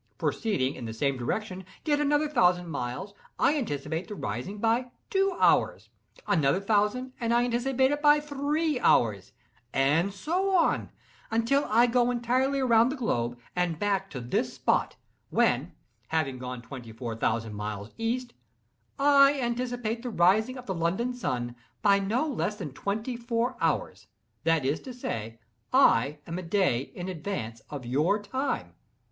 Proceeding, in the same direction, yet another thousand miles, I anticipate the rising by two hours—another thousand, and I anticipate it by three hours, and so on, until I go entirely round the globe, and back to this spot, when, having gone twenty four thousand miles east, I anticipate the rising of the London sun by no less than twenty four hours; that is to say, I am a day in advance of your time.